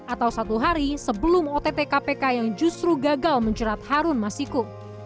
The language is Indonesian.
atau satu hari sebelum ott kpk yang justru gagal menjerat harun masiku